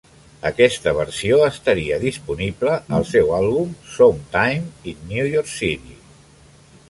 Aquesta versió estaria disponible al seu àlbum "Some Time in New York City".